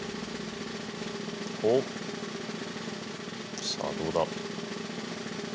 おっさあどうだ。